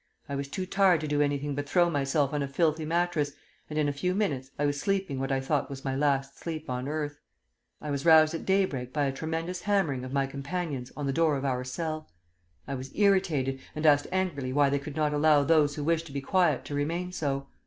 I was too tired to do anything but throw myself on a filthy mattress, and in a few minutes I was sleeping what I thought was my last sleep on earth. I was roused at daybreak by a tremendous hammering of my companions on the door of our cell. I was irritated, and asked angrily why they could not allow those who wished to be quiet to remain so.